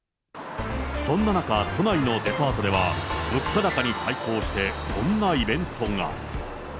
そんな中、都内のデパートでは、物価高に対抗して、こんなイベントが。